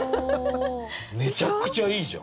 めちゃくちゃいいじゃん。